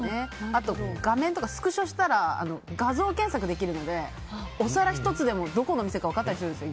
あと、画面とかスクショしたら画像検索できるのでお皿１つでもどこの店か分かったりするんです。